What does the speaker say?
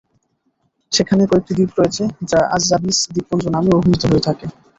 সেখানে কয়েকটি দ্বীপ রয়েছে যা আযযাবিজ দ্বীপপুঞ্জ নামে অভিহিত হয়ে থাকে।